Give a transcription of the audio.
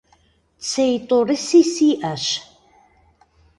Цей тӀорыси сиӀэщ…